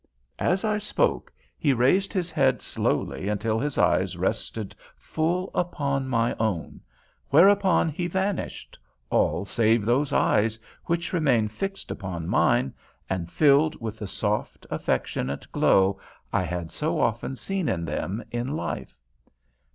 As I spoke he raised his head slowly until his eyes rested full upon my own, whereupon he vanished, all save those eyes, which remained fixed upon mine, and filled with the soft, affectionate glow I had so often seen in them in life.